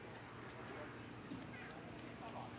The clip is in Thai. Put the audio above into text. เมื่อเวลาเมื่อเวลา